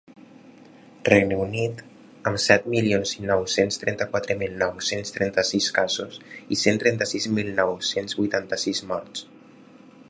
Regne Unit, amb set milions nou-cents trenta-quatre mil nou-cents trenta-sis casos i cent trenta-sis mil nou-cents vuitanta-sis morts.